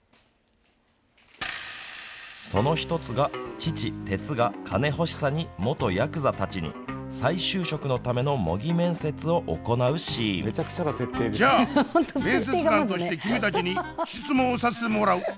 その１つが父、テツが金欲しさに元やくざたちに再就職のためのじゃあ、面接官として君たちに質問させてもらう。